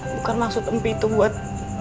bukan maksud empi itu buat